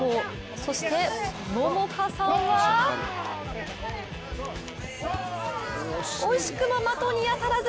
そして百花さんは惜しくも的に当たらず。